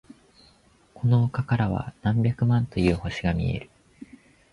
この丘からは何百万という星が見える。